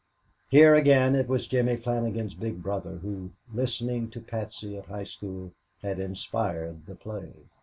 Here again it was Jimmy Flannigan's big brother who, listening to Patsy at high school, had inspired the play.